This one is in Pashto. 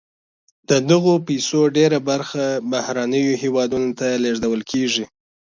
د دغه پیسو ډېره برخه بهرنیو هېوادونو ته لیږدول کیږي.